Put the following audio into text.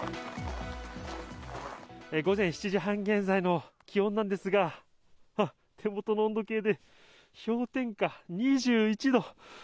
午前７時半現在の気温なんですが、あっ、手元の温度計で、氷点下２１度。